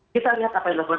kita lihat apa yang dilakukan